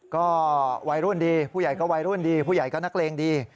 ก็วัยรุ่นดีผู้ใหญ่ก็วัยรุ่นดีผู้ใหญ่ก็นักเลงดี